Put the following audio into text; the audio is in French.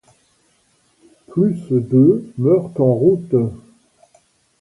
Plus de meurent en route.